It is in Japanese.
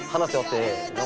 せの！